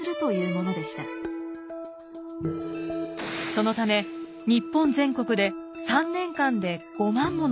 そのため日本全国で３年間で５万もの神社が廃止。